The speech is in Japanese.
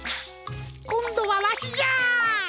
こんどはわしじゃ！